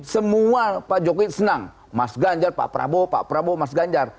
semua pak jokowi senang mas ganjar pak prabowo pak prabowo mas ganjar